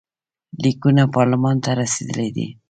لیکونه پارلمان ته رسېدلي دي.